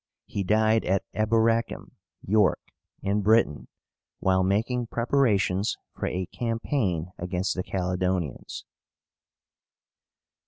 He died at Eboracum (York), in Britain, while making preparations for a campaign against the Caledonians.